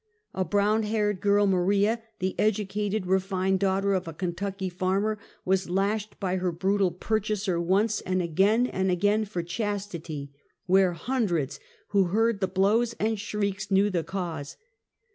A brown haired girl, Maria, the educated, refined daughter of a Kentucky farmer, was lashed by her brutal purchaser, once, and again and again for chasti ty, where hundreds who heard the blows and shrieks knew the cause.